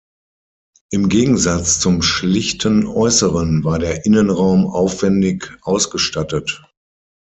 Im Gegensatz zum schlichten Äußeren war der Innenraum aufwendig ausgestattet.